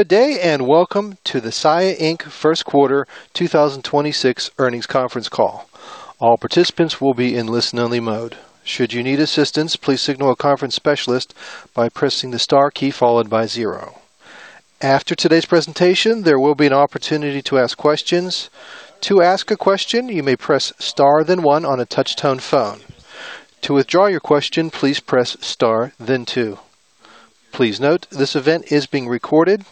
Good day, and welcome to the Saia, Inc. First Quarter 2026 Earnings Conference Call. All participants will be in listen-only mode. Should you need assistance, please signal a conference specialist by pressing the star key followed by zero. After today's presentation, there will be an opportunity to ask questions. To ask a question, you may press Star then one on a touch-tone phone. To withdraw your question, please press star then two. Please note, this event is being recorded.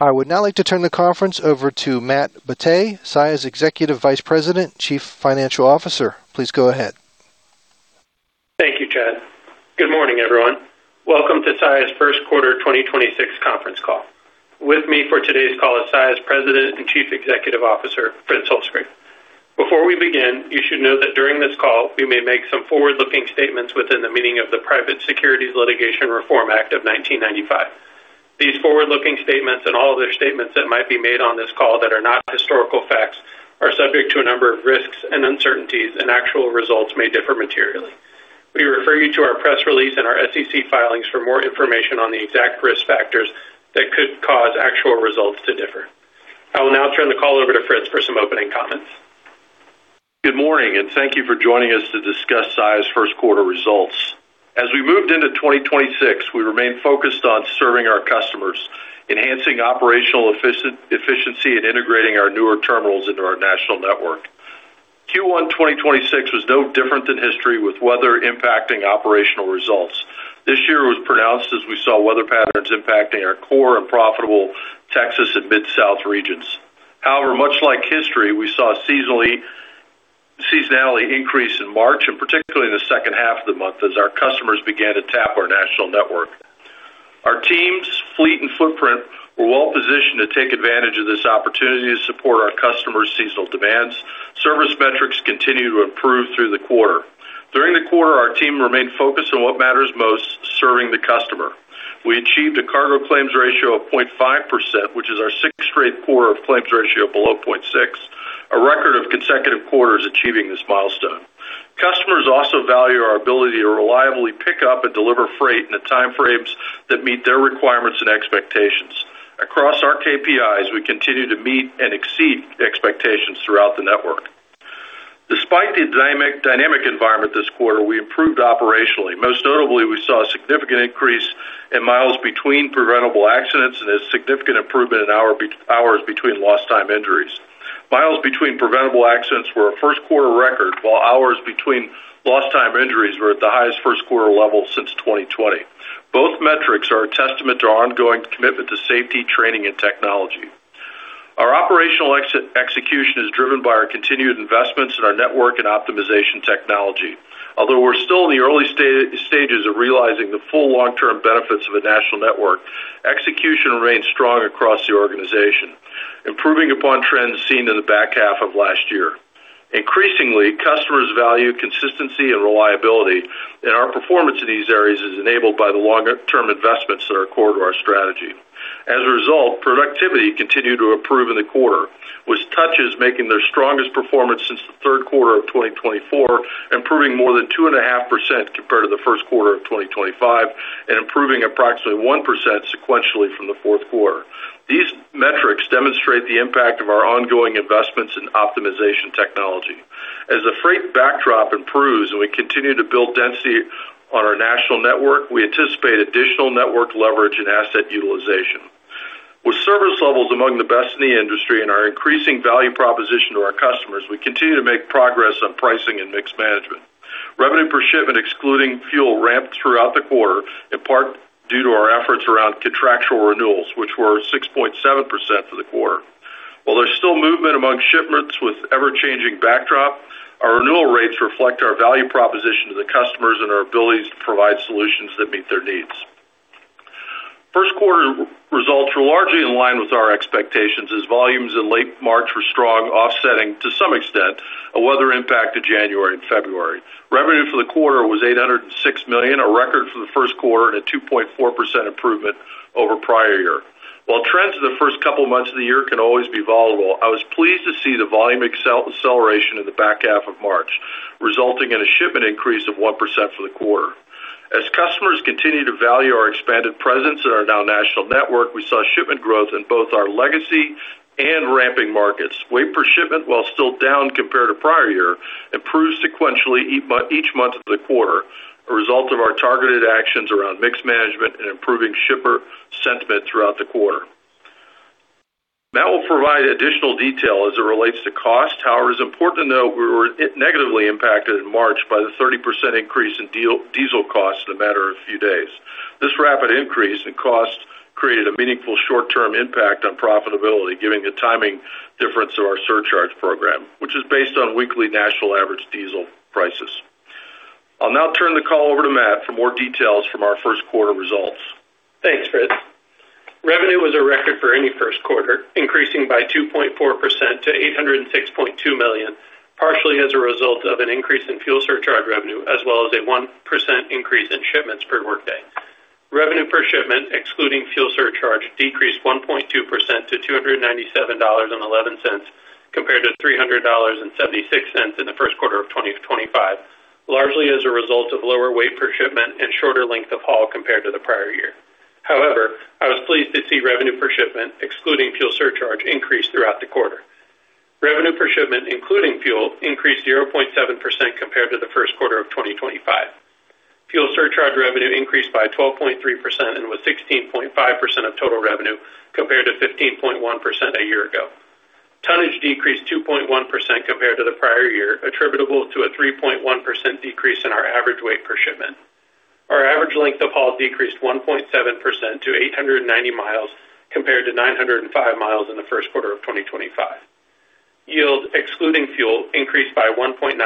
I would now like to turn the conference over to Matthew Batteh, Saia's Executive Vice President, Chief Financial Officer. Please go ahead. Thank you, Chad. Good morning, everyone. Welcome to Saia's First Quarter 2026 Conference Call. With me for today's call is Saia's President and Chief Executive Officer, Fritz Holzgrefe. Before we begin, you should know that during this call, we may make some forward-looking statements within the meaning of the Private Securities Litigation Reform Act of 1995. This forward-looking statement and all other statements that might be made on this call that are not historical facts, are subject to a number of risks and uncertainties, and actual results may differ materially. We refer you to our press release and our SEC filings for more information on the exact risk factors that could cause actual results to differ. I will now turn the call over to Fritz for some opening comments. Good morning, and thank you for joining us to discuss Saia's first quarter results. As we moved into 2026, we remain focused on serving our customers, enhancing operational efficiency, and integrating our newer terminals into our national network. Q1 2026 was no different than history with weather impacting operational results. This year was pronounced as we saw weather patterns impacting our core and profitable Texas and Mid-South regions. Much like history, we saw seasonality increase in March, and particularly in the second half of the month as our customers began to tap our national network. Our team's fleet and footprint were well-positioned to take advantage of this opportunity to support our customers' seasonal demands. Service metrics continued to improve through the quarter. During the quarter, our team remained focused on what matters most, serving the customer. We achieved a cargo claims ratio of 0.5%, which is our sixth straight quarter of claims ratio below 0.6, a record of consecutive quarters achieving this milestone. Customers also value our ability to reliably pick up and deliver freight in the time frames that meet their requirements and expectations. Across our KPIs, we continue to meet and exceed expectations throughout the network. Despite the dynamic environment this quarter, we improved operationally. Most notably, we saw a significant increase in miles between preventable accidents, and a significant improvement in hours between lost time injuries. Miles between preventable accidents were a first quarter record, while hours between lost time injuries were at the highest first quarter level since 2020. Both metrics are a testament to our ongoing commitment to safety, training, and technology. Our operational execution is driven by our continued investments in our network and optimization technology. Although we're still in the early stages of realizing the full long-term benefits of a national network, execution remains strong across the organization, improving upon trends seen in the back-half of last year. Increasingly, customers value consistency and reliability, our performance in these areas is enabled by the longer-term investments that are core to our strategy. As a result, productivity continued to improve in the quarter, with touches making their strongest performance since the third quarter of 2024, improving more than 2.5% compared to the first quarter of 2025 and improving approximately 1% sequentially from the fourth quarter. These metrics demonstrate the impact of our ongoing investments in optimization technology. As the freight backdrop improves and we continue to build density on our national network, we anticipate additional network leverage and asset utilization. With service levels among the best in the industry and our increasing value proposition to our customers, we continue to make progress on pricing and mix management. Revenue per shipment, excluding fuel ramped throughout the quarter, in part due to our efforts around contractual renewals, which were 6.7% for the quarter. While there's still movement among shipments with ever-changing backdrop, our renewal rates reflect our value proposition to the customers and our abilities to provide solutions that meet their needs. First quarter results were largely in line with our expectations as volumes in late March were strong offsetting, to some extent, a weather impact to January and February. Revenue for the quarter was $806 million, a record for the first quarter and a 2.4% improvement over prior year. While trends in the first couple of months of the year can always be volatile, I was pleased to see the volume acceleration in the back half of March, resulting in a shipment increase of 1% for the quarter. As customers continue to value our expanded presence in our now national network, we saw shipment growth in both our legacy and ramping markets. Weight per shipment, while still down compared to prior year, improved sequentially each month of the quarter, a result of our targeted actions around mix management and improving shipper sentiment throughout the quarter. Matt will provide additional detail as it relates to cost. However, it's important to note we were negatively impacted in March by the 30% increase in diesel cost in a matter of a few days. This rapid increase in cost created a meaningful short-term impact on profitability, giving the timing difference to our surcharge program, which is based on weekly national average diesel prices. I'll now turn the call over to Matt for more details from our first quarter results. Thanks, Fritz. Revenue was a record for any first quarter, increasing by 2.4% to $806.2 million, partially as a result of an increase in fuel surcharge revenue, as well as a 1% increase in shipments per workday. Revenue per shipment, excluding fuel surcharge, decreased 1.2% to $297.11 compared to $300.76 in the first quarter of 2025, largely as a weight per shipment and shorter length of haul compared to the prior year. However, I was pleased to see revenue per shipment, excluding fuel surcharge, increase throughout the quarter. Revenue per shipment, including fuel, increased 0.7% compared to the first quarter of 2025. Fuel surcharge revenue increased by 12.3% and was 16.5% of total revenue, compared to 15.1% a year ago. Tonnage decreased 2.1% compared to the prior year, attributable to a 3.1% decrease in our average weight per shipment. Our average length of haul decreased 1.7% to 890 miles compared to 905 mi in the first quarter of 2025. Yield, excluding fuel, increased by 1.9%,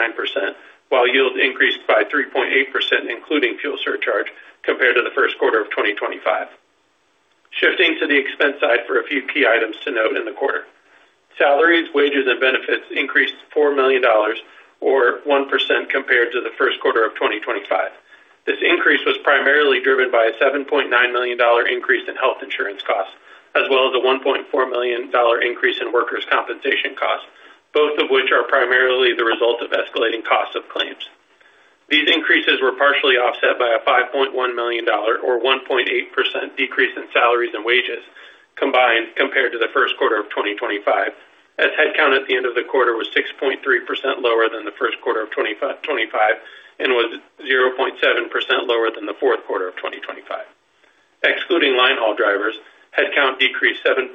while yield increased by 3.8%, including fuel surcharge compared to the first quarter of 2025. Shifting to the expense side for a few key items to note in the quarter. Salaries, wages and benefits increased $4 million, or 1% compared to the first quarter of 2025. This increase was primarily driven by a $7.9 million increase in health insurance costs, as well as a $1.4 million increase in workers' compensation costs, both of which are primarily the result of escalating costs of claims. These increases were partially offset by a $5.1 million, or 1.8% decrease in salaries and wages combined compared to the first quarter of 2025, as headcount at the end of the quarter was 6.3% lower than the first quarter of 2025 and was 0.7% lower than the fourth quarter of 2025. Excluding line haul drivers, headcount decreased 7.9%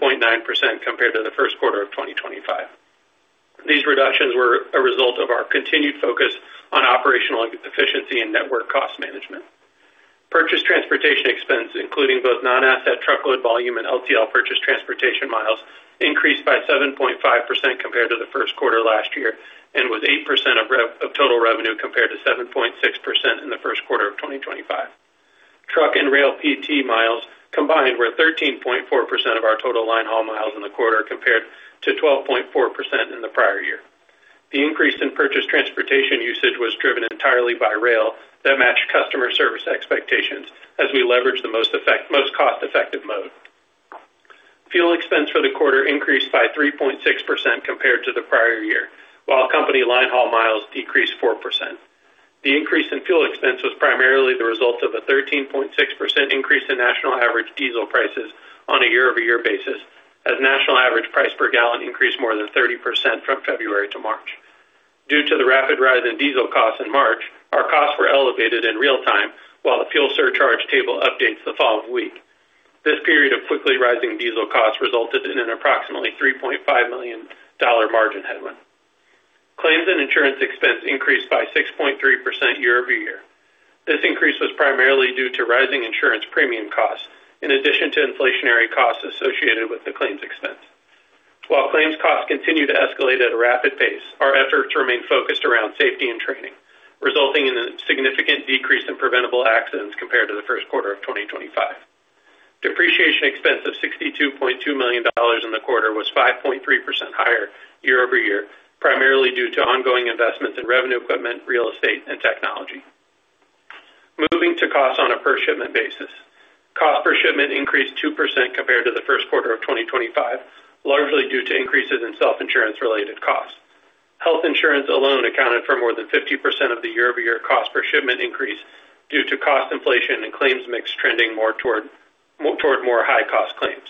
compared to the first quarter of 2025. These reductions were a result of our continued focus on operational efficiency and network cost management. Purchase transportation expense, including both non-asset truckload volume and LTL purchase transportation miles, increased by 7.5% compared to the first quarter last year, and was 8% of total revenue compared to 7.6% in the first quarter of 2025. Truck and rail PT miles combined were 13.4% of our total line haul miles in the quarter compared to 12.4% in the prior year. The increase in purchase transportation usage was driven entirely by rail, that matched customer service expectations as we leveraged the most cost-effective mode. Fuel expense for the quarter increased by 3.6% compared to the prior year, while company line haul miles decreased 4%. The increase in fuel expense was primarily the result of a 13.6% increase in national average diesel prices on a year-over-year basis, as national average price per gallon increased more than 30% from February to March. Due to the rapid rise in diesel costs in March, our costs were elevated in real time while the fuel surcharge table updates the following week. This period of quickly rising diesel costs resulted in an approximately $3.5 million margin headwind. Claims and insurance expense increased by 6.3% year-over-year. This increase was primarily due to rising insurance premium costs in addition to inflationary costs associated with the claims expense. While claims costs continue to escalate at a rapid pace, our efforts remain focused around safety and training, resulting in a significant decrease in preventable accidents compared to the first quarter of 2025. Depreciation expense of $62.2 million in the quarter was 5.3% higher year-over-year, primarily due to ongoing investments in revenue equipment, real estate and technology. Moving to costs on a per shipment basis. Cost per shipment increased 2% compared to the first quarter of 2025, largely due to increases in self-insurance related costs. Health insurance alone accounted for more than 50% of the year-over-year cost per shipment increase due to cost inflation and claims mix trending more toward more high cost claims.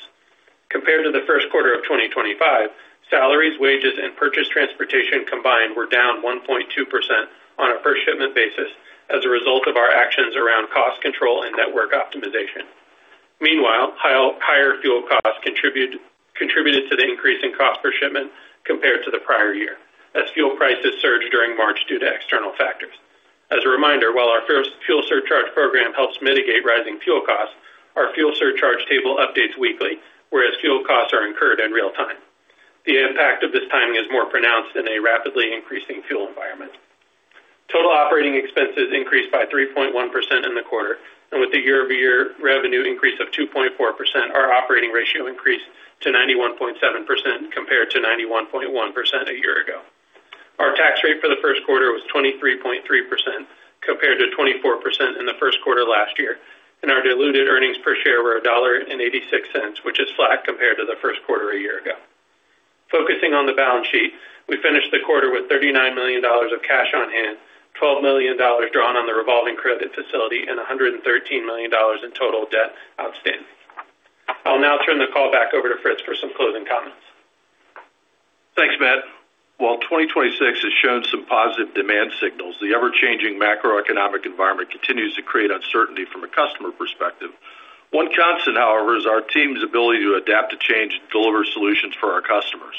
Compared to the first quarter of 2025, salaries, wages, and purchase transportation combined were down 1.2% on a per shipment basis as a result of our actions around cost control and network optimization. Higher fuel costs contributed to the increase in cost per shipment compared to the prior year, as fuel prices surged during March due to external factors. As a reminder, while our fuel surcharge program helps mitigate rising fuel costs, our fuel surcharge table updates weekly, whereas fuel costs are incurred in real time. The impact of this timing is more pronounced in a rapidly increasing fuel environment. Total operating expenses increased by 3.1% in the quarter, with the year-over-year revenue increase of 2.4%, our operating ratio increased to 91.7% compared to 91.1% a year ago. Our tax rate for the first quarter was 23.3% compared to 24% in the first quarter last year, and our diluted earnings per share were $1.86, which is flat compared to the first quarter a year ago. Focusing on the balance sheet, we finished the quarter with $39 million of cash on hand, $12 million drawn on the revolving credit facility and $113 million in total debt outstanding. I'll now turn the call back over to Fritz for some closing comments. Thanks, Matt. While 2026 has shown some positive demand signals, the ever-changing macroeconomic environment continues to create uncertainty from a customer perspective. One constant, however, is our team's ability to adapt to change and deliver solutions for our customers.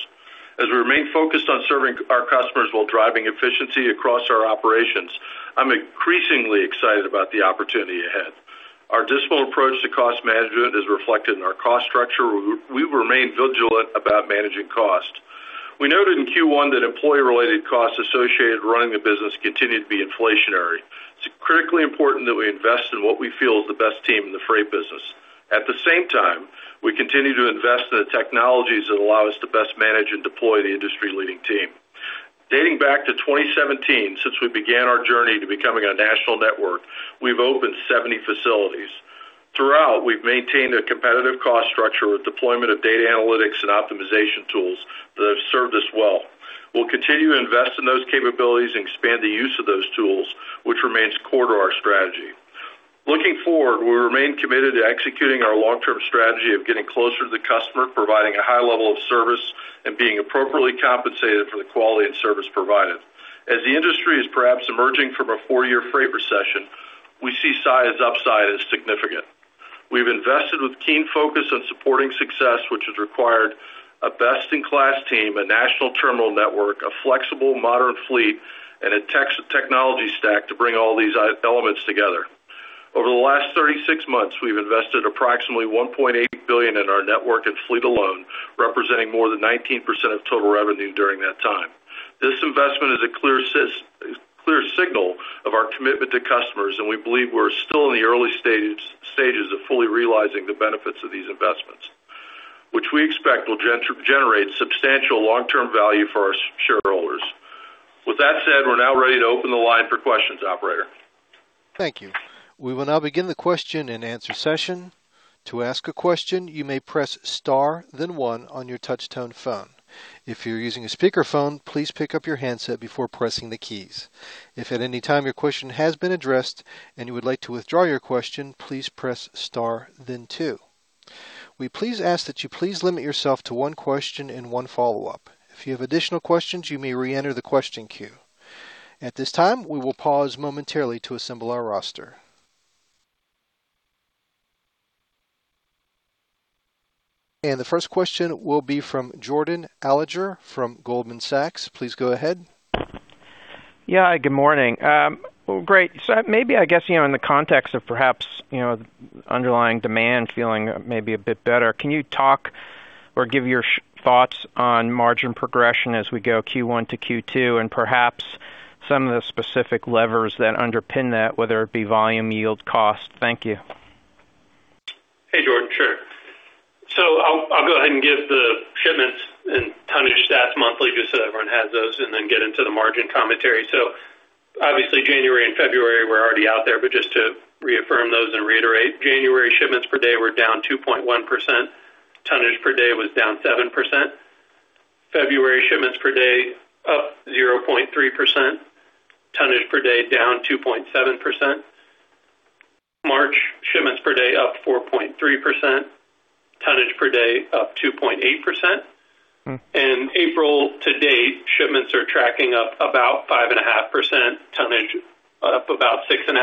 As we remain focused on serving our customers while driving efficiency across our operations, I'm increasingly excited about the opportunity ahead. Our disciplined approach to cost management is reflected in our cost structure. We remain vigilant about managing cost. We noted in Q1 that employee-related costs associated with running the business continued to be inflationary. It's critically important that we invest in what we feel is the best team in the freight business. At the same time, we continue to invest in the technologies that allow us to best manage and deploy the industry-leading team. Dating back to 2017, since we began our journey to becoming a national network, we've opened 70 facilities. Throughout, we've maintained a competitive cost structure with deployment of data analytics and optimization tools that have served us well. We'll continue to invest in those capabilities and expand the use of those tools, which remains core to our strategy. Looking forward, we remain committed to executing our long-term strategy of getting closer to the customer, providing a high level of service, and being appropriately compensated for the quality and service provided. As the industry is perhaps emerging from a four-year freight recession, we see Saia upside as significant. We've invested with keen focus on supporting success, which has required a best-in-class team, a national terminal network, a flexible modern fleet, and a technology stack to bring all these elements together. Over the last 36 months, we've invested approximately $1.8 billion in our network and fleet alone, representing more than 19% of total revenue during that time. This investment is a clear signal of our commitment to customers, and we believe we're still in the early stages of fully realizing the benefits of these investments, which we expect will generate substantial long-term value for our shareholders. With that said, we're now ready to open the line for questions. Operator? Thank you. We will now begin the question-and-answer session. To ask a question, you may press star then one on your touch-tone phone. If you're using a speakerphone, please pick up your handset before pressing the keys. If at any time your question has been addressed, and you would like to withdraw your question, please press star then two. We please ask that you please limit yourself to one question and one follow-up. If you have additional questions, you may reenter the question queue. At this time, we will pause momentarily to assemble our roster. The first question will be from Jordan Alliger from Goldman Sachs. Please go ahead. Yeah, good morning. Well, great. Maybe I guess, you know, in the context of perhaps, you know, underlying demand feeling maybe a bit better, can you talk or give your thoughts on margin progression as we go Q1 to Q2, and perhaps some of the specific levers that underpin that, whether it be volume, yield, cost? Thank you. Hey, Jordan. Sure. I'll go ahead and give the shipments and tonnage stats monthly just so everyone has those and then get into the margin commentary. Obviously January and February were already out there, but just to reaffirm those and reiterate, January shipments per day were down 2.1%. Tonnage per day was down 7%. February shipments per day up 0.3%. Tonnage per day down 2.7%. March shipments per day up 4.3%. Tonnage per day up 2.8%. Mm-hmm. April to date, shipments are tracking up about 5.5%. Tonnage up about 6.5%.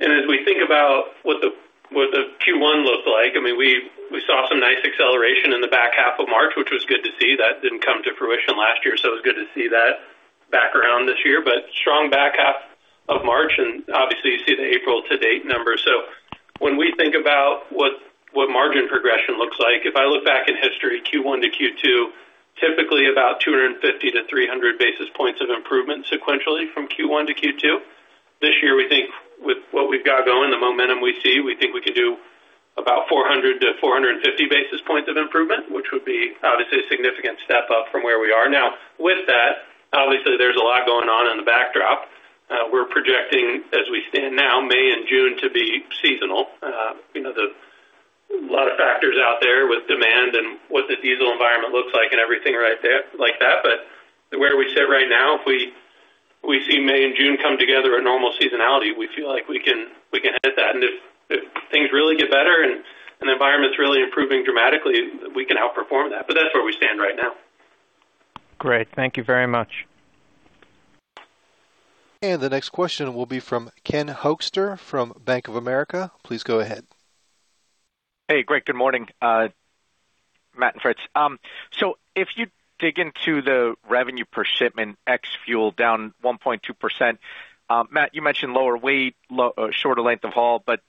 As we think about what the Q1 looked like, I mean, we saw some nice acceleration in the back-half of March, which was good to see. That didn't come to fruition last year, so it was good to see that back around this year. Strong back half of March, and obviously you see the April to date numbers. When we think about what margin progression looks like, if I look back in history, Q1 to Q2, typically about 250-300 basis points of improvement sequentially from Q1 to Q2. This year, we think with what we've got going, the momentum we see, we think we can do about 400-450 basis points of improvement, which would be obviously a significant step up from where we are now. With that, obviously there's a lot going on in the backdrop. We're projecting as we stand now, May and June to be seasonal. You know, the lot of factors out there with demand and what the diesel environment looks like and everything right there like that. Where we sit right now, if we see May and June come together a normal seasonality, we feel like we can, we can hit that. If things really get better and the environment's really improving dramatically, we can outperform that. That's where we stand right now. Great. Thank you very much. The next question will be from Ken Hoexter from Bank of America. Please go ahead. Hey, Greg. Good morning. Matt and Fritz. If you dig into the revenue per shipment ex-fuel down 1.2%, Matt, you mentioned lower weight, shorter length of haul, but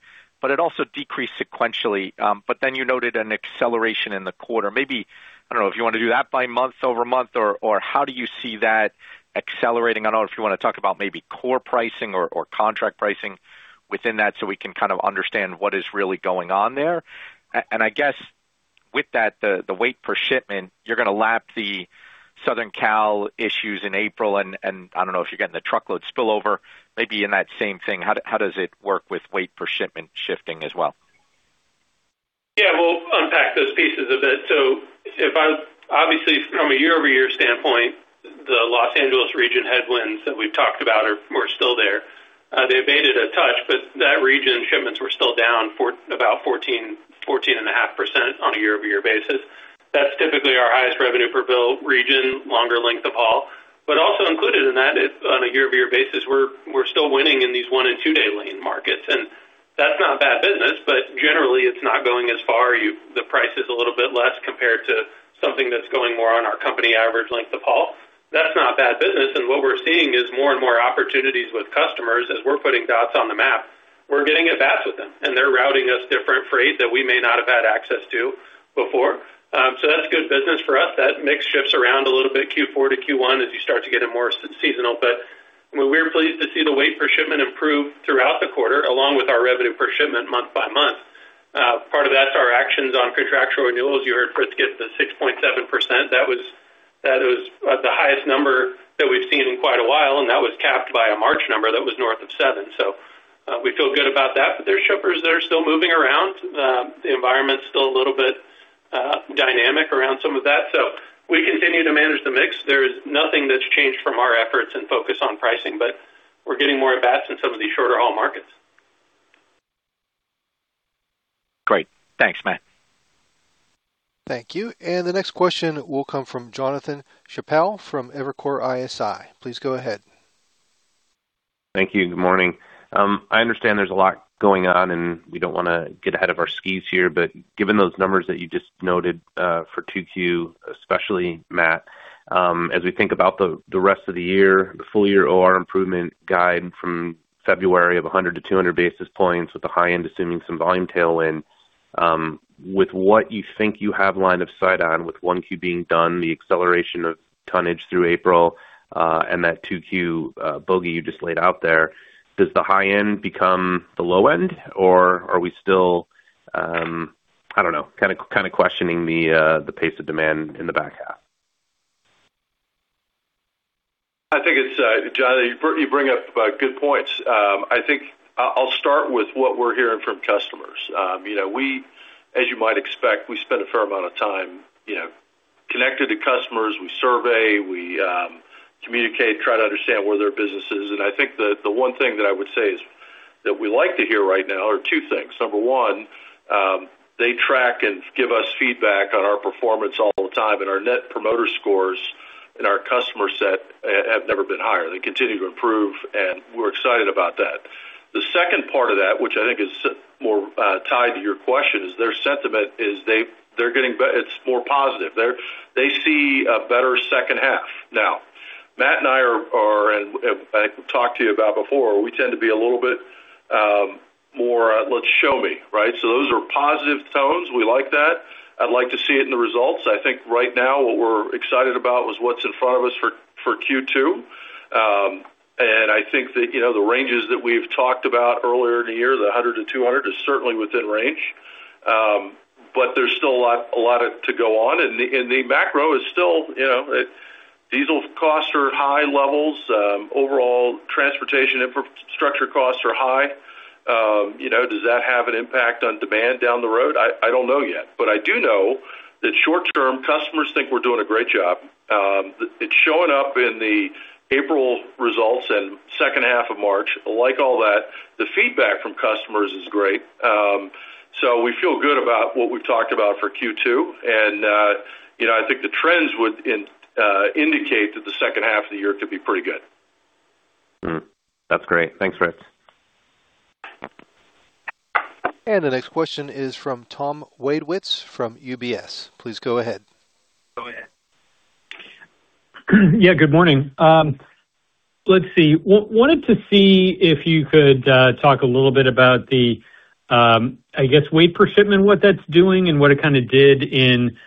it also decreased sequentially. Then you noted an acceleration in the quarter. Maybe, I don't know if you wanna do that by month-over-month or how do you see that accelerating? I don't know if you wanna talk about maybe core pricing or contract pricing within that, so we can kind of understand what is really going on there. I guess with that, the weight per shipment, you're gonna lap the Southern Cal issues in April, and I don't know if you're getting the truckload spillover maybe in that same thing. How does it work with weight per shipment shifting as well? Yeah, we'll unpack those pieces a bit. If I obviously from a year-over-year standpoint, the L.A. region headwinds that we've talked about were still there. They abated a touch, that region shipments were still down for about 14.5% on a year-over-year basis. That's typically our highest revenue per bill region, longer length of haul. Also included in that is on a year-over-year basis, we're still winning in these one and two day lane markets. That's not bad business, generally it's not going as far. The price is a little bit less compared to something that's going more on our company average length of haul. That's not bad business, what we're seeing is more and more opportunities with customers as we're putting dots on the map. We're getting advanced with them, and they're routing us different freight that we may not have had access to before. That's good business for us. That mix shifts around a little bit Q4 to Q1 as you start to get it more seasonal. We're pleased to see the weight per shipment improve throughout the quarter, along with our revenue per shipment month-by-month. Actual renewals, you heard Fritz get the 6.7%. That was the highest number that we've seen in quite a while, and that was capped by a March number that was north of seven. We feel good about that, but there's shippers that are still moving around. The environment's still a little bit dynamic around some of that. We continue to manage the mix. There is nothing that's changed from our efforts and focus on pricing, but we're getting more advanced in some of these shorter haul markets. Great. Thanks, Matt. Thank you. The next question will come from Jonathan Chappell from Evercore ISI. Please go ahead. Thank you. Good morning. I understand there's a lot going on, and we don't wanna get ahead of our skis here. Given those numbers that you just noted, for 2Q, especially Matt, as we think about the rest of the year, the full year OR improvement guide from February of 100-200 basis points with the high end assuming some volume tailwind. With what you think you have line of sight on with 1Q being done, the acceleration of tonnage through April, and that 2Q bogey you just laid out there, does the high end become the low end, or are we still, I don't know, kinda questioning the pace of demand in the back half? I think it's, Jonathan, you bring up good points. I think I'll start with what we're hearing from customers. You know, we, as you might expect, we spend a fair amount of time, you know, connected to customers. We survey, we communicate, try to understand where their business is. I think the one thing that I would say is that we like to hear right now are two things. Number one, they track and give us feedback on our performance all the time, and our Net Promoter Score and our customer set have never been higher. They continue to improve, and we're excited about that. The second part of that, which I think is more tied to your question, is their sentiment is it's more positive. They see a better second half. Matt and I talked to you about before, we tend to be a little bit more, let's show me, right? Those are positive tones. We like that. I'd like to see it in the results. I think right now what we're excited about was what's in front of us for Q2. I think that, you know, the ranges that we've talked about earlier in the year, the 100-200 is certainly within range. There's still a lot to go on. The macro is still, you know, diesel costs are at high levels. Overall transportation infrastructure costs are high. You know, does that have an impact on demand down the road? I don't know yet. I do know that short-term customers think we're doing a great job. It's showing up in the April results and second half of March. I like all that. The feedback from customers is great. We feel good about what we've talked about for Q2, and, you know, I think the trends would indicate that the second half of the year could be pretty good. That's great. Thanks, Fritz. The next question is from Tom Wadewitz from UBS. Please go ahead. Go ahead. Yeah, good morning. Let's see. Wanted to see if you could talk a little bit about the, I guess, weight per shipment, what that's doing and what it kinda did in,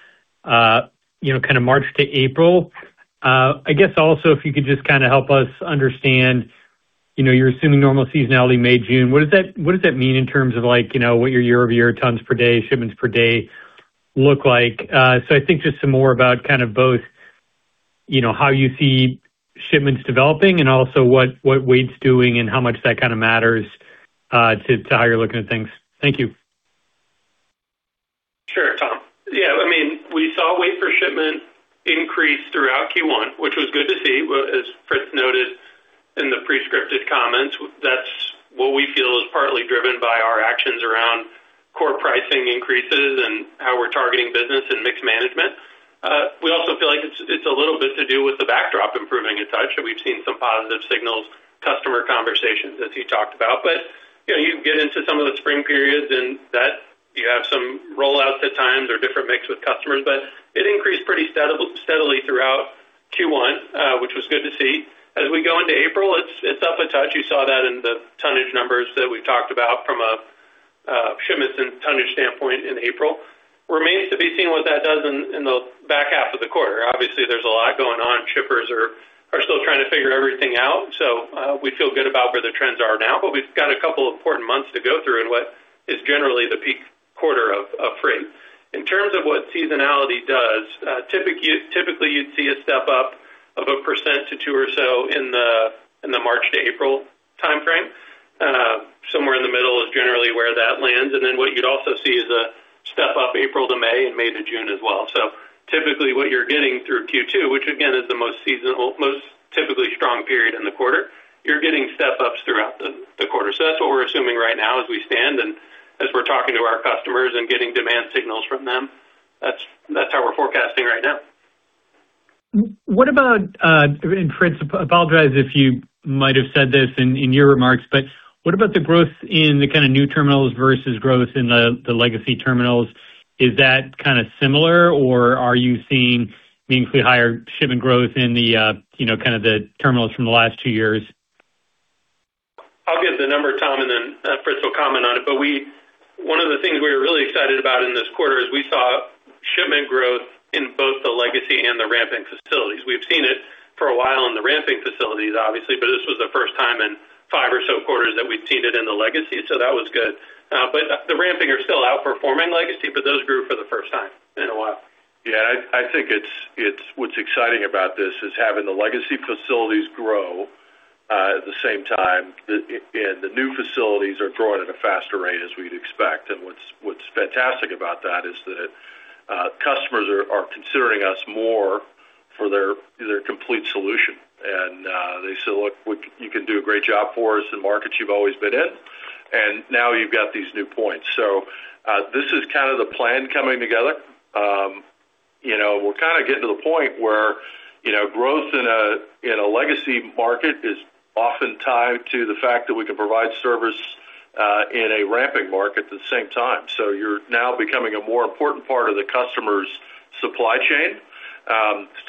you know, kinda March to April. I guess also, if you could just kinda help us understand, you know, you're assuming normal seasonality May, June. What does that mean in terms of like, you know, what your year-over-year tons per day, shipments per day look like? I think just some more about kind of both, you know, how you see shipments developing and also what weight's doing and how much that kinda matters to how you're looking at things. Thank you. Sure, Tom. Yeah, I mean, we saw weight per shipment increase throughout Q1, which was good to see. As Fritz noted in the pre-scripted comments, that's what we feel is partly driven by our actions around core pricing increases and how we're targeting business and mix management. We also feel like it's a little bit to do with the backdrop improving a touch. We've seen some positive signals, customer conversations as he talked about. You know, you get into some of the spring periods and that you have some rollouts at times or different mix with customers, but it increased pretty steadily throughout Q1, which was good to see. As we go into April, it's up a touch. You saw that in the tonnage numbers that we talked about from a shipments and tonnage standpoint in April. Remains to be seen what that does in the back half of the quarter. Obviously, there's a lot going on. Shippers are still trying to figure everything out. We feel good about where the trends are now, but we've got a couple important months to go through in what is generally the peak quarter of freight. In terms of what seasonality does, typically you'd see a step up of 1%-2% or so in the March to April timeframe. Somewhere in the middle is generally where that lands. What you'd also see is a step up April to May and May to June as well. Typically, what you're getting through Q2, which again is the most seasonal, most typically strong period in the quarter, you're getting step-ups throughout the quarter. That's what we're assuming right now as we stand and as we're talking to our customers and getting demand signals from them. That's how we're forecasting right now. What about Fritz, apologize if you might have said this in your remarks, what about the growth in the kind of new terminals versus growth in the legacy terminals? Is that kind of similar, or are you seeing meaningfully higher shipment growth in the, you know, kind of the terminals from the last two years? I'll give the number, Tom, then Fritz will comment on it. One of the things we were really excited about in this quarter is we saw legacy and the ramping facilities. We've seen it for a while in the ramping facilities, obviously, this was the first time in five or so quarters that we've seen it in the legacy, that was good. The ramping are still outperforming legacy, those grew for the first time in a while. Yeah, I think it's what's exciting about this is having the legacy facilities grow at the same time, and the new facilities are growing at a faster rate as we'd expect. What's fantastic about that is that customers are considering us more for their complete solution. They say, "Look, you can do a great job for us in markets you've always been in, and now you've got these new points." This is kind of the plan coming together. You know, we're kinda getting to the point where, you know, growth in a legacy market is often tied to the fact that we can provide service in a ramping market at the same time. You're now becoming a more important part of the customer's supply chain,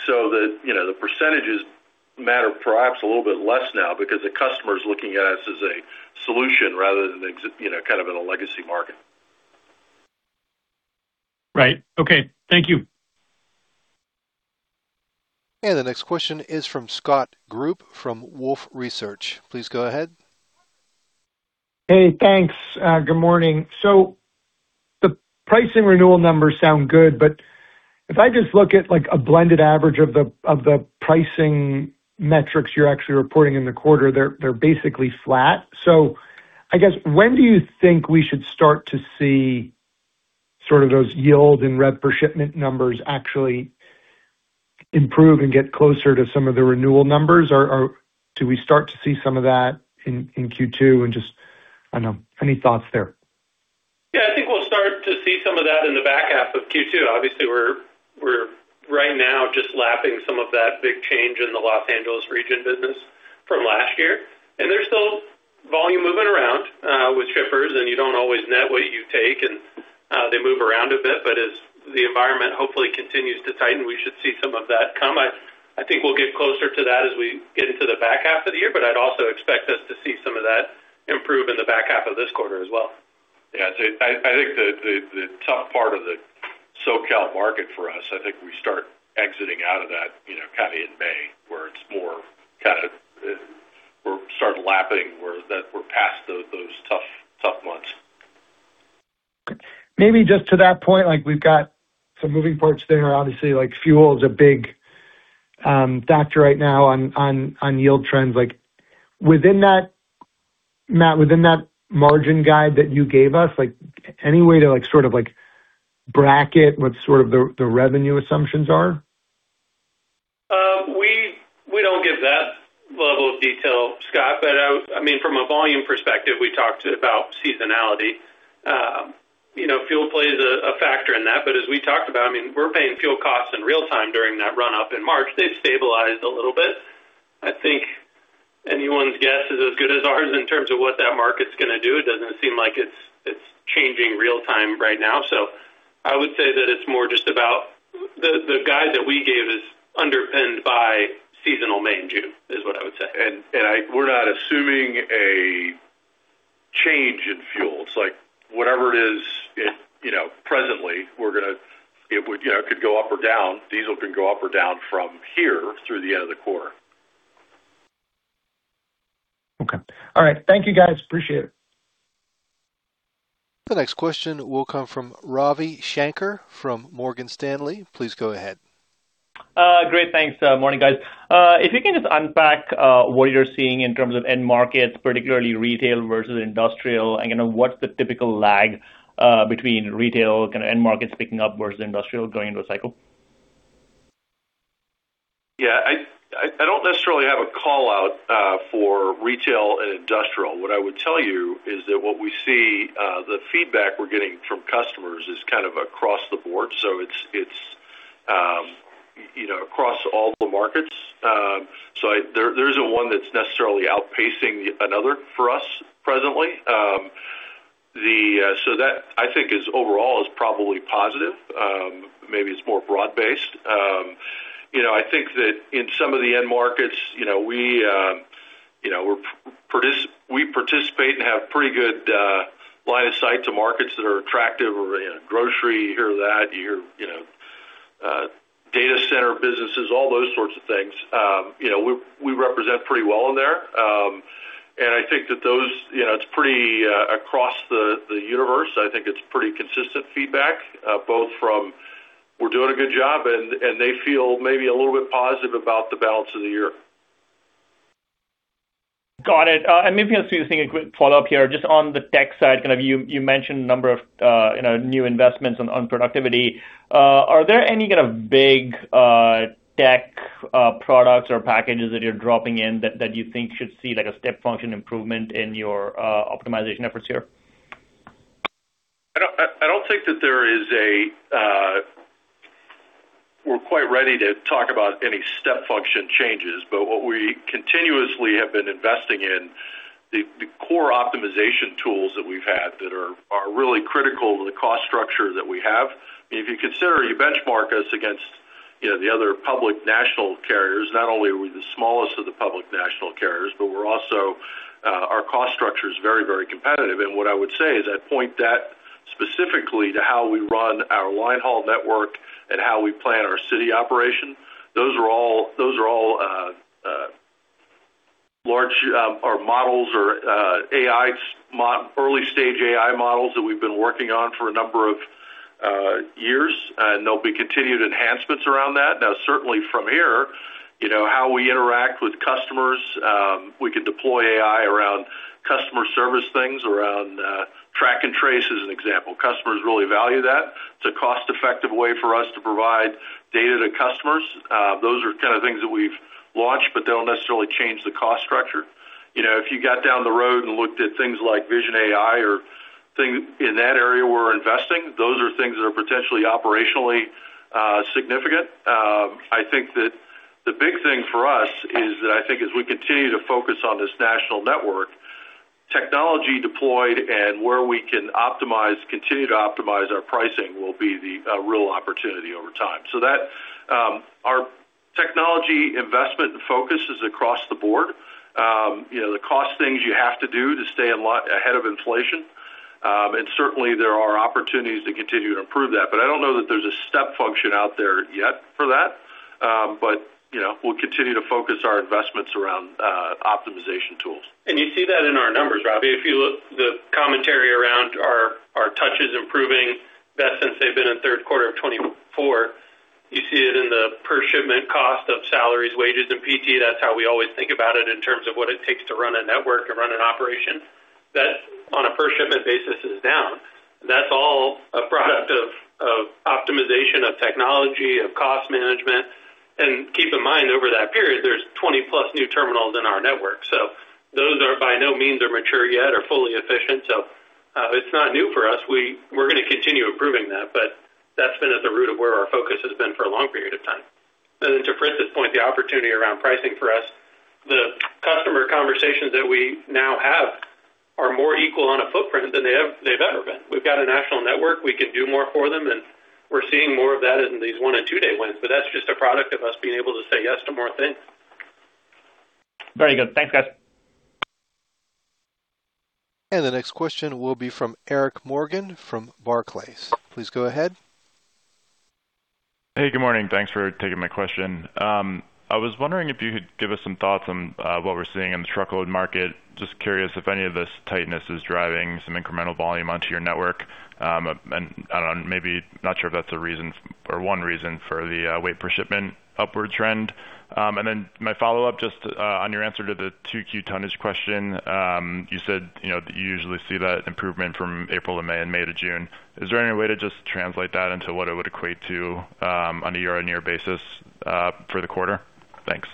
so that, you know, the percentages matter perhaps a little bit less now because the customer's looking at us as a solution rather than you know, kind of in a legacy market. Right. Okay. Thank you. The next question is from Scott Group from Wolfe Research. Please go ahead. Hey, thanks. Good morning. The pricing renewal numbers sound good, but if I just look at like a blended average of the pricing metrics you're actually reporting in the quarter, they're basically flat. I guess, when do you think we should start to see sort of those yield and rev per shipment numbers actually improve and get closer to some of the renewal numbers? Or do we start to see some of that in Q2? Just, I don't know, any thoughts there. Yeah. I think we'll start to see some of that in the back half of Q2. Obviously, we're right now just lapping some of that big change in the Los Angeles region business from last year. There's still volume moving around with shippers, and you don't always net what you take, and they move around a bit. As the environment hopefully continues to tighten, we should see some of that come. I think we'll get closer to that as we get into the back-half of the year, but I'd also expect us to see some of that improve in the back half of this quarter as well. Yeah. I think the tough part of the SoCal market for us, I think we start exiting out of that, you know, kind of in May, where it's more kind of, we're starting lapping, that we're past those tough months. Maybe just to that point, like we've got some moving parts there, obviously, like fuel is a big factor right now on yield trends. Within that, Matt, within that margin guide that you gave us, like any way to sort of bracket what sort of the revenue assumptions are? We don't give that level of detail, Scott. I mean, from a volume perspective, we talked about seasonality. You know, fuel plays a factor in that. As we talked about, I mean, we're paying fuel costs in real time during that run-up in March. They've stabilized a little bit. I think anyone's guess is as good as ours in terms of what that market's gonna do. It doesn't seem like it's changing real time right now. I would say that it's more just about the guide that we gave is underpinned by seasonal May and June, is what I would say. We're not assuming a change in fuel. It's like whatever it is it, you know, presently, we're gonna, it would, you know, could go up or down. Diesel can go up or down from here through the end of the quarter. Okay. All right. Thank you, guys. Appreciate it. The next question will come from Ravi Shanker from Morgan Stanley. Please go ahead. Great. Thanks. Morning, guys. If you can just unpack what you're seeing in terms of end markets, particularly retail versus industrial, and, you know, what's the typical lag between retail, kinda end markets picking up versus industrial going into a cycle? I don't necessarily have a call-out for retail and industrial. What I would tell you is that what we see, the feedback we're getting from customers is kind of across the board. It's, you know, across all the markets. There isn't one that's necessarily outpacing another for us presently. The, that I think is overall probably positive. Maybe it's more broad based. You know, I think that in some of the end markets, you know, we, you know, we participate and have pretty good line of sight to markets that are attractive or, you know, grocery, you hear that. You hear, you know, data center businesses, all those sorts of things. You know, we represent pretty well in there. I think that those, you know, it's pretty across the universe. I think it's pretty consistent feedback, both from we're doing a good job and they feel maybe a little bit positive about the balance of the year. Got it. Maybe I'll see this thing, a quick follow-up here, just on the tech side. You mentioned a number of, you know, new investments on productivity. Are there any kind of big tech products or packages that you're dropping in that you think should see like a step function improvement in your optimization efforts here? We're quite ready to talk about any step function changes. What we continuously have been investing in the core optimization tools that we've had that are really critical to the cost structure that we have. I mean, if you consider, you benchmark us against, you know, the other public national carriers. Not only are we the smallest of the public national carriers, we're also our cost structure is very, very competitive. What I would say is I'd point that specifically to how we run our line haul network and how we plan our city operation. Those are all large or models or early-stage AI models that we've been working on for a number of years, there'll be continued enhancements around that. Certainly from here, you know, how we interact with customers, we could deploy AI around customer service things, around track and trace as an example. Customers really value that. It's a cost-effective way for us to provide data to customers. Those are kind of things that we've launched, but they don't necessarily change the cost structure. You know, if you got down the road and looked at things like Vision AI in that area we're investing, those are things that are potentially operationally significant. I think that the big thing for us is that I think as we continue to focus on this national network, technology deployed and where we can optimize, continue to optimize our pricing will be the real opportunity over time. So that, our technology investment focus is across the board. You know, the cost things you have to do to stay a lot ahead of inflation. Certainly, there are opportunities to continue to improve that, but I don't know that there's a step function out there yet for that. You know, we'll continue to focus our investments around, optimization tools. You see that in our numbers, Ravi. If you look, the commentary around our touches improving, that since they've been in third quarter of 2024, you see it in the per shipment cost of salaries, wages, and PT. That's how we always think about it in terms of what it takes to run a network or run an operation. That on a per shipment basis is down. That's all a product of optimization, of technology, of cost management. Keep in mind, over that period, there's 20+ new terminals in our network. Those are by no means mature yet or fully efficient. It's not new for us. We're gonna continue improving that, but that's been at the root of where our focus has been for a long period of time. To Fritz's point, the opportunity around pricing for us, the customer conversations that we now have are more equal on a footprint than they've ever been. We've got a national network. We can do more for them, and we're seeing more of that in these one and two-day wins. That's just a product of us being able to say yes to more things. Very good. Thanks, guys. The next question will be from Eric Morgan from Barclays. Please go ahead. Hey, good morning. Thanks for taking my question. I was wondering if you could give us some thoughts on what we're seeing in the truckload market. Just curious if any of this tightness is driving some incremental volume onto your network. I don't know, maybe not sure if that's a reason or one reason for the weight per shipment upward trend. Then my follow-up, just on your answer to the 2Q tonnage question, you said, you know, you usually see that improvement from April to May and May to June. Is there any way to just translate that into what it would equate to on a year-on-year basis for the quarter? Thanks.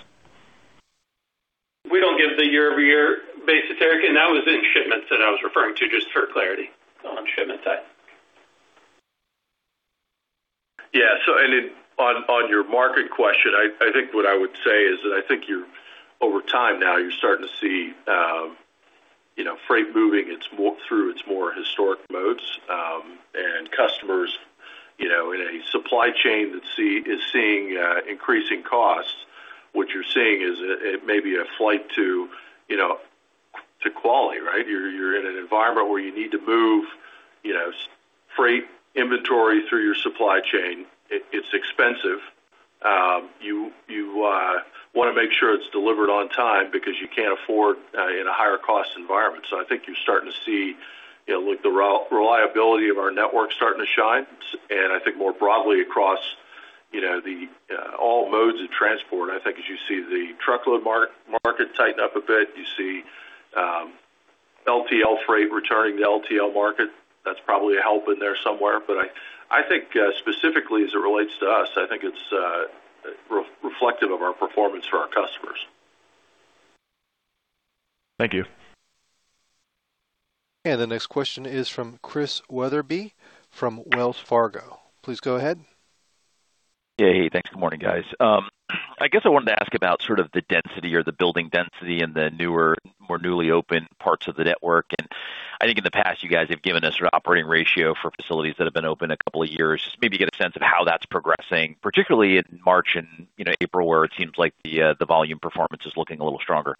We don't give the year-over-year basis, Eric. That was in shipments that I was referring to just for clarity on shipment type. Yeah. On your market question, I think what I would say is that I think over time now you're starting to see, you know, freight moving its through its more historic modes, and customers, you know, in a supply chain that is seeing increasing costs. What you're seeing is, it may be a flight to, you know, to quality, right? You're in an environment where you need to move, you know, freight inventory through your supply chain. It's expensive. You wanna make sure it's delivered on time because you can't afford in a higher cost environment. I think you're starting to see, you know, like the re-reliability of our network starting to shine. I think more broadly across, you know, the all modes of transport. I think as you see the truckload market tighten up a bit, you see LTL freight returning to LTL market. That's probably a help in there somewhere. I think specifically as it relates to us, I think it's reflective of our performance for our customers. Thank you. The next question is from Chris Wetherbee from Wells Fargo. Please go ahead. Yeah. Hey, thanks. Good morning, guys. I guess I wanted to ask about sort of the density or the building density in the newer, more newly opened parts of the network. I think in the past, you guys have given us an operating ratio for facilities that have been open a couple of years. Maybe get a sense of how that's progressing, particularly in March and, you know, April, where it seems like the volume performance is looking a little stronger.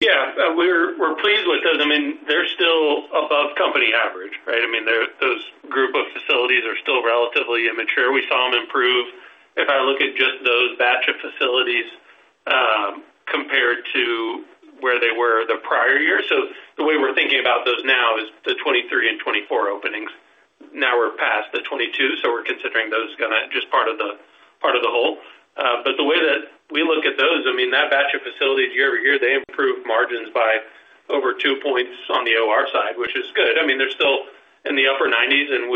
Yeah. We're pleased with those. I mean, they're still above company average, right? I mean, those group of facilities are still relatively immature. We saw them improve. If I look at just those batch of facilities, compared to where they were the prior year. The way we're thinking about those now is the 23 and 24 openings now are past the 22, so we're considering those gonna just part of the, part of the whole. The way that we look at those, I mean, that batch of facilities year-over-year, they improved margins by over two points on the OR side, which is good. I mean, they're still in the upper 90s, and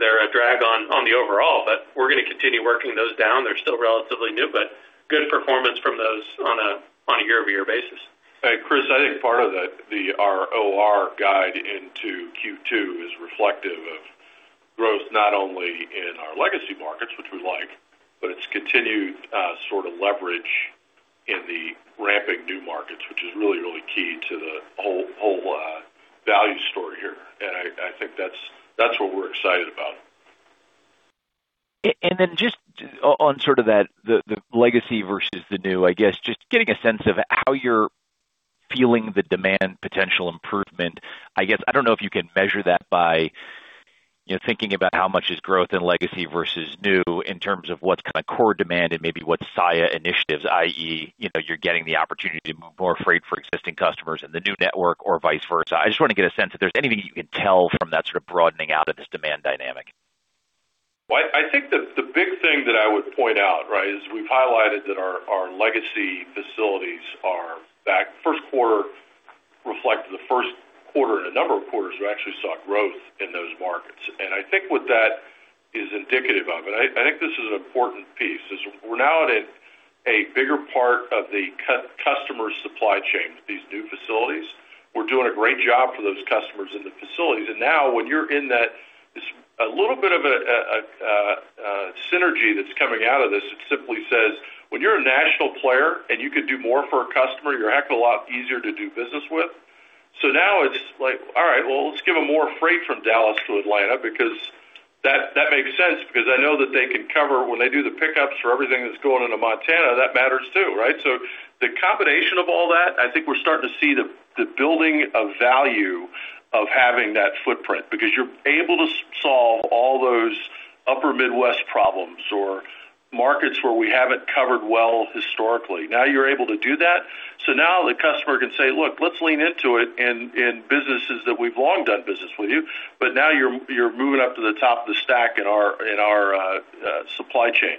they're a drag on the overall, but we're gonna continue working those down. They're still relatively new, but good performance from those on a year-over-year basis. Chris, I think part of the OR guide into Q2 is reflective of growth not only in our legacy markets, which we like, but it's continued sort of leverage in the ramping new markets, which is really key to the whole value story here. I think that's what we're excited about. Just on sort of that, the legacy versus the new, I guess, just getting a sense of how you're feeling the demand potential improvement. I guess, I don't know if you can measure that by, you know, thinking about how much is growth in legacy versus new in terms of what's kinda core demand and maybe what's Saia initiatives, i.e., you're getting the opportunity to move more freight for existing customers in the new network or vice versa. I just wanna get a sense if there's anything you can tell from that sort of broadening out of this demand dynamic. Well, I think the big thing that I would point out, right, is we've highlighted that our legacy facilities are back. First quarter reflected the first quarter in a number of quarters, we actually saw growth in those markets. I think what that is indicative of, I think this is an important piece, is we're now at a bigger part of the customer supply chain with these new facilities. We're doing a great job for those customers in the facilities. Now when you're in that, it's a little bit of a synergy that's coming out of this. It simply says, when you're a national player and you can do more for a customer, you're a heck of a lot easier to do business with. Now it's like, all right, well, let's give them more freight from Dallas to Atlanta because that makes sense because I know that they can cover when they do the pickups for everything that's going into Montana, that matters too, right? The combination of all that, I think we're starting to see the building of value of having that footprint, because you're able to solve all those upper Midwest problems, or markets where we haven't covered well historically. Now you're able to do that. Now the customer can say, "Look, let's lean into it in businesses that we've long done business with you, but now you're moving up to the top of the stack in our, in our supply chain."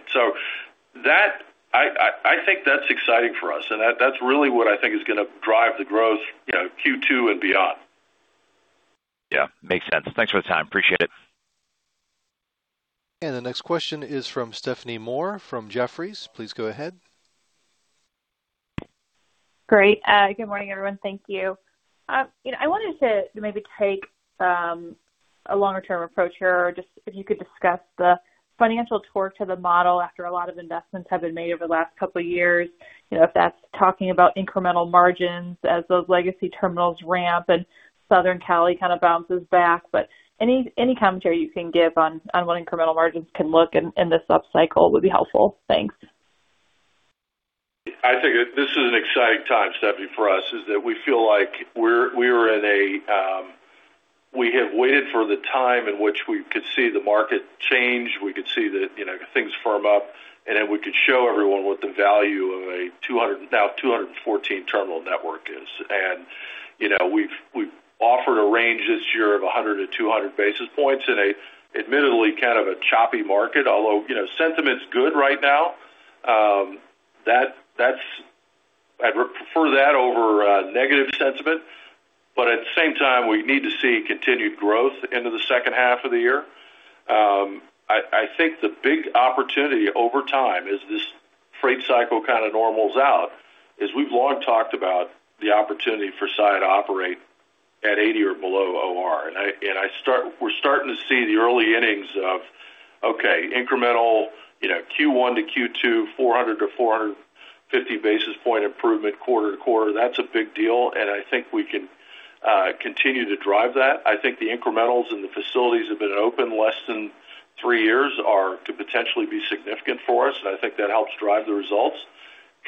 That, I think that's exciting for us, and that's really what I think is gonna drive the growth, you know, Q2 and beyond. Yeah, makes sense. Thanks for the time. Appreciate it. The next question is from Stephanie Moore from Jefferies. Please go ahead. Great. Good morning, everyone. Thank you. You know, I wanted to maybe take a longer term approach here, just if you could discuss the financial torque to the model after a lot of investments have been made over the last couple of years. You know, if that's talking about incremental margins as those legacy terminals ramp and Southern Cali kind of bounces back. Any commentary you can give on what incremental margins can look in this up cycle would be helpful. Thanks. I think this is an exciting time, Stephanie, for us, is that we feel like we are in a time in which we could see the market change, we could see the, you know, things firm up, then we could show everyone what the value of a 200, now 214 terminal network is. You know, we've offered a range this year of 100-200 basis points in a admittedly kind of a choppy market, although, you know, sentiment's good right now. That's, I'd prefer that over negative sentiment. At the same time, we need to see continued growth into the second half of the year. I think the big opportunity over time as this freight cycle kind of normals out, is we've long talked about the opportunity for Saia to operate at 80 or below OR. We're starting to see the early innings of, okay, incremental, you know, Q1 to Q2, 400-450 basis point improvement quarter-to-quarter. That's a big deal. I think we can continue to drive that. I think the incrementals in the facilities have been open less than three years are to potentially be significant for us. I think that helps drive the results.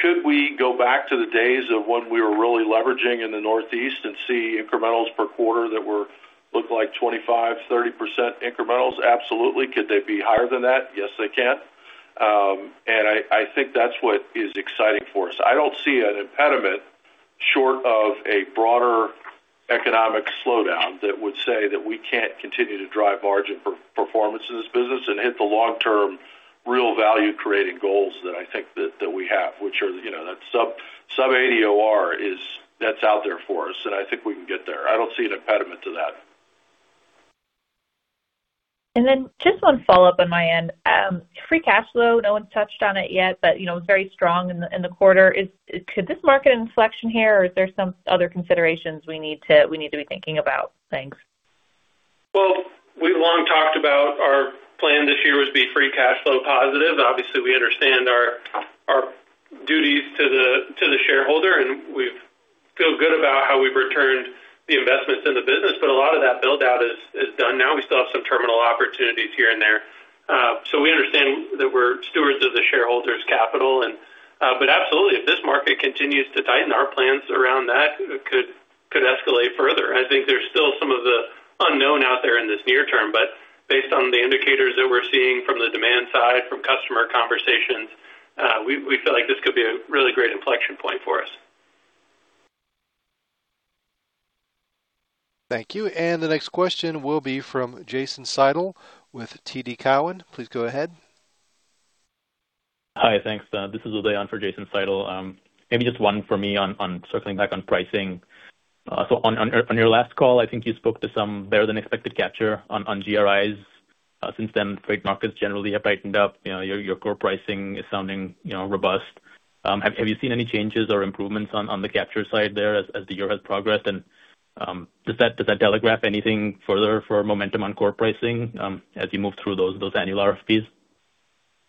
Could we go back to the days of when we were really leveraging in the Northeast and see incrementals per quarter that were look like 25%, 30% incrementals? Absolutely. Could they be higher than that? Yes, they can. I think that's what is exciting for us. I don't see an impediment short of a broader economic slowdown that would say that we can't continue to drive margin performance in this business and hit the long-term real value creating goals that I think that we have, which are, you know, that sub 80 OR is, that's out there for us, and I think we can get there. I don't see an impediment to that. Just 1 follow-up on my end. Free cash flow, no one's touched on it yet, but, you know, it was very strong in the, in the quarter. Could this market inflection here or is there some other considerations we need to, we need to be thinking about? Thanks. Well, we've long talked about our plan this year was to be free cash flow positive. Obviously, we understand our duties to the shareholder, and we feel good about how we've returned the investments in the business. A lot of that build out is done now. We still have some terminal opportunities here and there. We understand that we're stewards of the shareholders' capital. Absolutely, if this market continues to tighten, our plans around that could escalate further. I think there's still some of the unknown out there in this near term, but based on the indicators that we're seeing from the demand side, from customer conversations, we feel like this could be a really great inflection point for us. Thank you. The next question will be from Jason Seidl with TD Cowen. Please go ahead. Hi. Thanks. This is Udayan for Jason Seidl. Maybe just one for me on circling back on pricing. On your last call, I think you spoke to some better than expected capture on GRIs. Since then, freight markets generally have tightened up. You know, your core pricing is sounding, you know, robust. Have you seen any changes or improvements on the capture side there as the year has progressed? Does that telegraph anything further for momentum on core pricing as you move through those annual RFPs?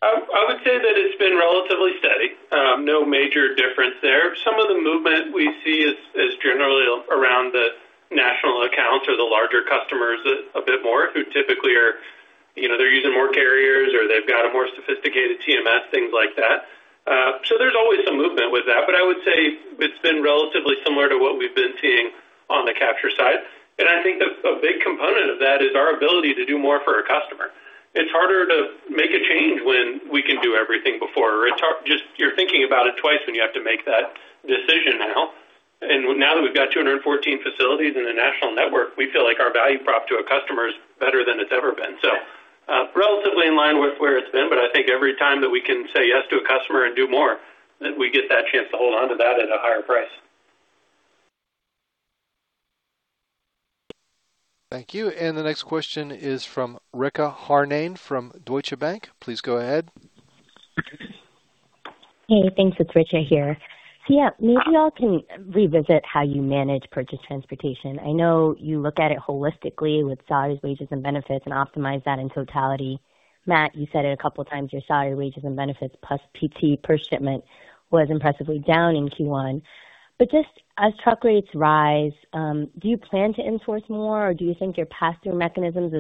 I would say that it's been relatively steady. No major difference there. Some of the movement we see is generally around the national accounts or the larger customers a bit more who typically are, you know, they're using more carriers or they've got a more sophisticated TMS, things like that. There's always some movement with that, but I would say it's been relatively similar to what we've been seeing on the capture side. I think that a big component of that is our ability to do more for our customer. It's harder to make a change when we can do everything before. Just you're thinking about it twice when you have to make that decision now. Now that we've got 214 facilities in the national network, we feel like our value prop to a customer is better than it's ever been. Relatively in line with where it's been, but I think every time that we can say yes to a customer and do more, that we get that chance to hold onto that at a higher price. Thank you. The next question is from Richa Harnain from Deutsche Bank. Please go ahead. Hey, thanks. It's Richa here. Yeah, maybe y'all can revisit how you manage purchase transportation. I know you look at it holistically with salaries, wages, and benefits and optimize that in totality. Matt, you said it a couple of times, your salary, wages, and benefits plus PT per shipment was impressively down in Q1. Just as truck rates rise, do you plan to enforce more, or do you think your pass-through mechanisms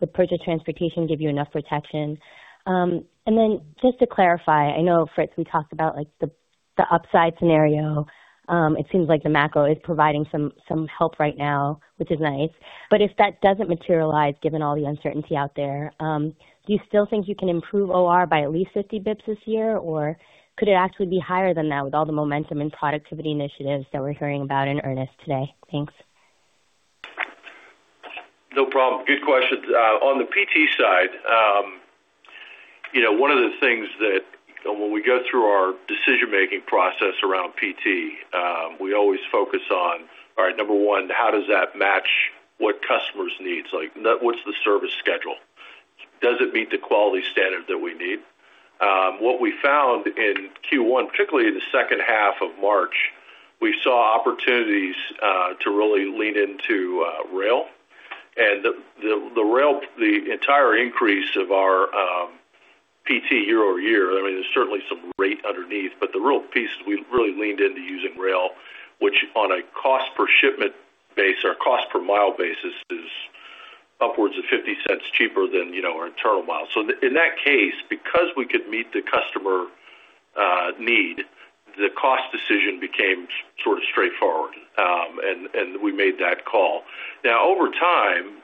with purchase transportation give you enough protection? Just to clarify, I know, Fritz, we talked about, like, the upside scenario. It seems like the macro is providing some help right now, which is nice. If that doesn't materialize, given all the uncertainty out there, do you still think you can improve OR by at least 50 basis points this year, or could it actually be higher than that with all the momentum and productivity initiatives that we're hearing about in earnest today? Thanks. No problem. Good questions. On the PT side, you know, one of the things that when we go through our decision-making process around PT, we always focus on, all right, number one, how does that match what customers need? What's the service schedule? Does it meet the quality standard that we need? What we found in Q1, particularly the second half of March, we saw opportunities to really lean into rail. The entire increase of our PT year-over-year, I mean, there's certainly some rate underneath, but the real piece is we really leaned into using rail, which on a cost per shipment base or cost per mile basis is upwards of $0.50 cheaper than, you know, our internal mile. In that case, because we could meet the customer need, the cost decision became sort of straightforward. We made that call. Now, over time,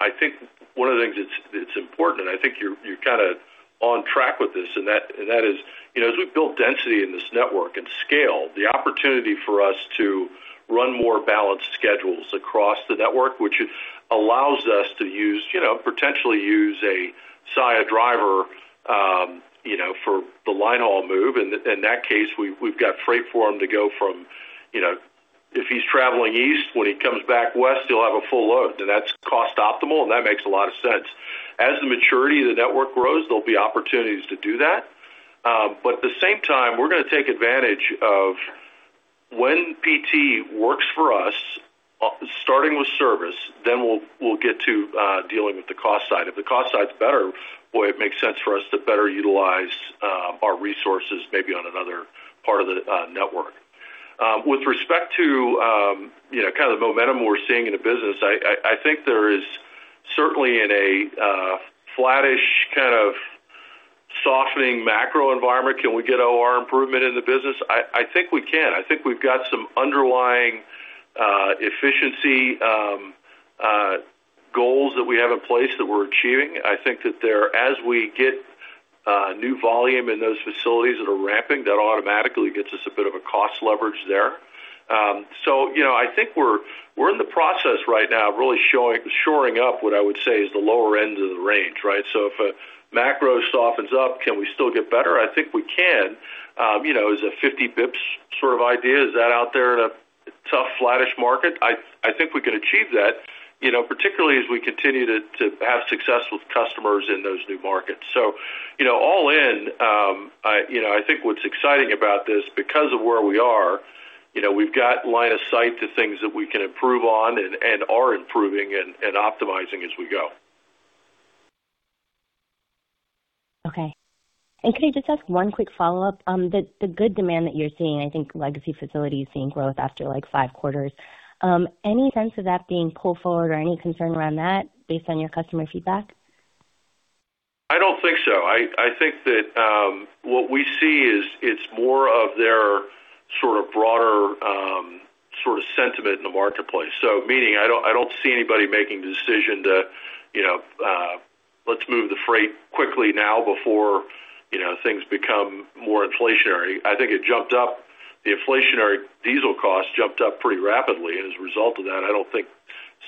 I think one of the things that's important, and I think you're kinda on track with this, and that, and that is, you know, as we build density in this network and scale, the opportunity for us to run more balanced schedules across the network, which allows us to use, you know, potentially use a Saia driver, you know, for the line haul move. In, in that case, we've got freight for him to go from, you know, if he's traveling east, when he comes back west, he'll have a full load, and that's cost optimal, and that makes a lot of sense. As the maturity of the network grows, there'll be opportunities to do that. At the same time, we're gonna take advantage of when PT works for us, starting with service, then we'll get to dealing with the cost side. If the cost side's better, boy, it makes sense for us to better utilize our resources maybe on another part of the network. With respect to, you know, kind of the momentum we're seeing in the business, I think there is certainly in a flattish kind of softening macro environment, can we get OR improvement in the business? I think we can. I think we've got some underlying efficiency goals that we have in place that we're achieving. I think that there, as we get new volume in those facilities that are ramping, that automatically gets us a bit of a cost leverage there. You know, I think we're in the process right now of really shoring up what I would say is the lower end of the range, right? If a macro softens up, can we still get better? I think we can. You know, is a 50 basis points sort of idea, is that out there in a tough, flattish market? I think we could achieve that, you know, particularly as we continue to have success with customers in those new markets. You know, all in, you know, I think what's exciting about this because of where we are, you know, we've got line of sight to things that we can improve on and are improving and optimizing as we go. Okay. Can I just ask one quick follow-up? The good demand that you're seeing, I think legacy facilities seeing growth after, like, five quarters. Any sense of that being pulled forward or any concern around that based on your customer feedback? I don't think so. I think that what we see is it's more of their sort of broader sort of sentiment in the marketplace. Meaning, I don't see anybody making the decision to, you know, let's move the freight quickly now before, you know, things become more inflationary. I think it jumped up. The inflationary diesel cost jumped up pretty rapidly, and as a result of that, I don't think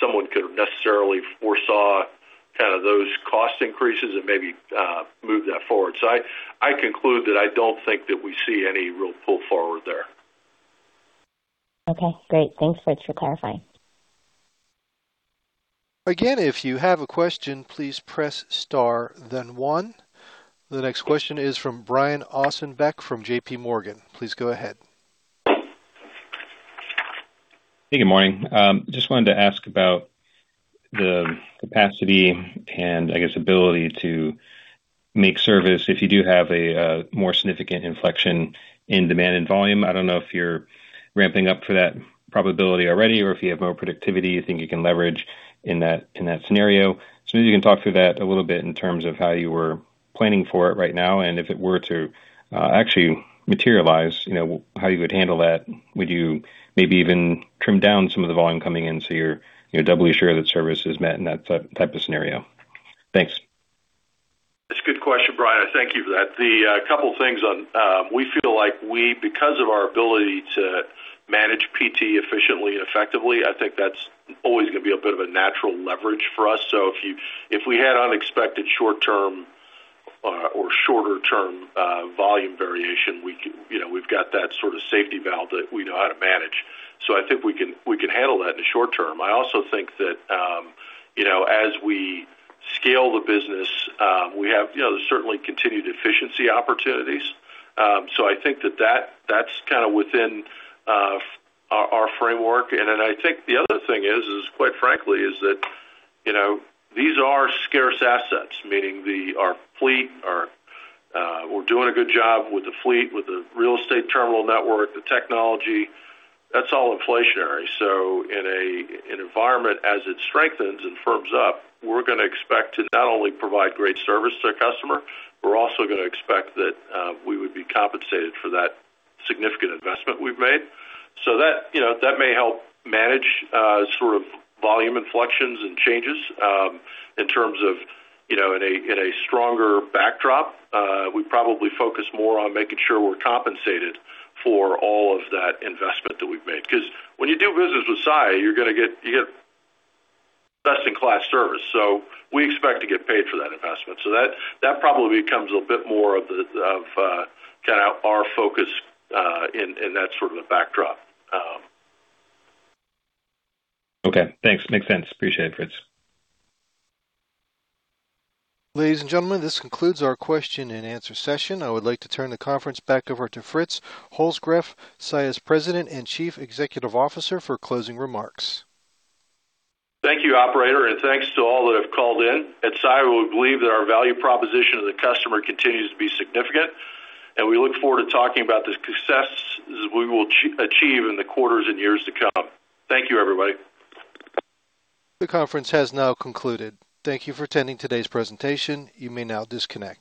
someone could necessarily foresaw kind of those cost increases and maybe move that forward. I conclude that I don't think that we see any real pull forward there. Okay, great. Thanks, Fritz, for clarifying. Again, if you have a question, please press star then one. The next question is from Brian Ossenbeck from JPMorgan. Please go ahead. Hey, good morning. Just wanted to ask about the capacity and I guess ability to make service if you do have a more significant inflection in demand and volume. I don't know if you're ramping up for that probability already or if you have more productivity you think you can leverage in that scenario. Maybe you can talk through that a little bit in terms of how you were planning for it right now, and if it were to actually materialize, you know, how you would handle that. Would you maybe even trim down some of the volume coming in so you're, you know, doubly sure that service is met in that type of scenario? Thanks. That's a good question, Brian. Thank you for that. Couple things on, we feel like because of our ability to manage PT efficiently and effectively, I think that's always gonna be a bit of a natural leverage for us. If we had unexpected short-term or shorter term volume variation, we can, you know, we've got that sort of safety valve that we know how to manage. I think we can handle that in the short term. I also think that, as we scale the business, we have, you know, there's certainly continued efficiency opportunities. I think that's kind of within our framework. I think the other thing is quite frankly, is that, you know, these are scarce assets, meaning our fleet, our, we're doing a good job with the fleet, with the real estate terminal network, the technology, that's all inflationary. In an environment, as it strengthens and firms up, we're gonna expect to not only provide great service to the customer, we're also gonna expect that we would be compensated for that significant investment we've made. That, you know, that may help manage, sort of volume inflections and changes, in terms of, you know, in a, in a stronger backdrop, we probably focus more on making sure we're compensated for all of that investment that we've made. 'Cause when you do business with Saia, you're gonna get, you get best in class service. We expect to get paid for that investment. That probably becomes a bit more of the kind of our focus in that sort of a backdrop. Okay, thanks. Makes sense. Appreciate it, Fritz. Ladies and gentlemen, this concludes our question and answer session. I would like to turn the conference back over to Fritz Holzgrefe, Saia's President and Chief Executive Officer, for closing remarks. Thank you, operator. Thanks to all that have called in. At Saia, we believe that our value proposition to the customer continues to be significant, and we look forward to talking about the successes we will achieve in the quarters and years to come. Thank you, everybody. The conference has now concluded. Thank you for attending today's presentation. You may now disconnect.